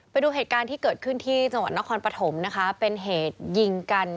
ไปดูเหตุการณ์ที่เกิดขึ้นที่จังหวัดนครปฐมนะคะเป็นเหตุยิงกัน